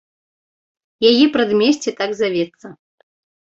Яе прадмесце так завецца.